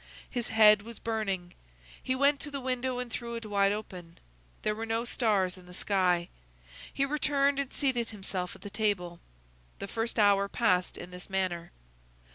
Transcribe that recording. His head was burning. He went to the window and threw it wide open. There were no stars in the sky. He returned and seated himself at the table. The first hour passed in this manner.